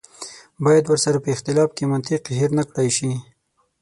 باید ورسره په اختلاف کې منطق هېر نه کړای شي.